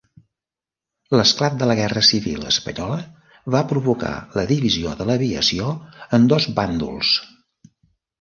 L'esclat de la Guerra civil espanyola va provocar la divisió de l'aviació en dos bàndols.